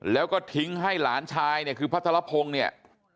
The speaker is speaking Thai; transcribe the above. แล้วก็ทิ้งให้หลานชายเนี่ยคือพัทรพงศ์เนี่ย